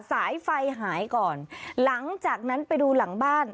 สายไฟหายก่อนหลังจากนั้นไปดูหลังบ้าน